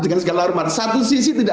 dengan segala hormat satu sisi tidak